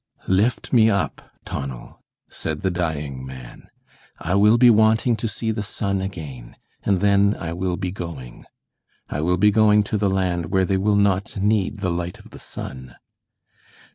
"Lift me up, Tonal," said the dying man; "I will be wanting to see the sun again, and then I will be going. I will be going to the land where they will not need the light of the sun.